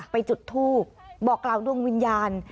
ไปจุดทูบบอกราวดวงวิญญาณ